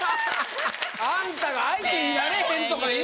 あんたが相手になれへんとか言うから。